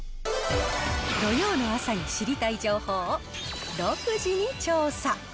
土曜の朝に知りたい情報を独自に調査。